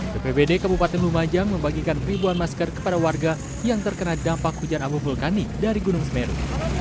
bpbd kabupaten lumajang membagikan ribuan masker kepada warga yang terkena dampak hujan abu vulkanik dari gunung semeru